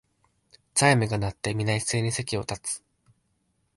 チャイムが鳴って、みな一斉に席を立つ